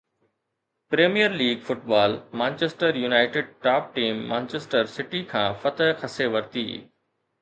premier league football Manchester United top team Manchester City کان فتح کسي ورتي